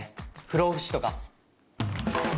不老不死とか。